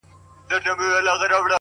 چا ويل ه ستا د لاس پر تندي څه ليـــكـلي؛